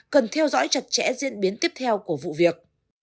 cần theo dõi chặt chẽ diễn biến tiếp theo của vụ việc